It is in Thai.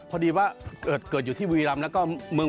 ไปเลยนิดนึงนิดนึง